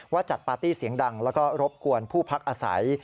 จัดปาร์ตี้เสียงดังแล้วก็รบกวนผู้พักอาศัย